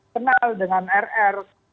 kenal dengan rr